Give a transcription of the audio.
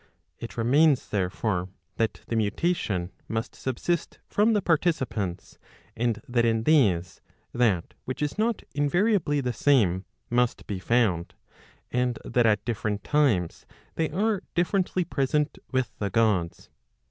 It remains therefore, that the mutation must subsist from the participants, and that in these that which is not invariably the same must be found, and that at different times they are differently present with the Gods.